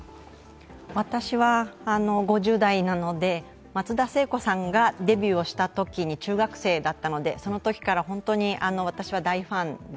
私は５０代なので、松田聖子さんがデビューをしたときに中学生だったのでそのときから本当に私は大ファンで、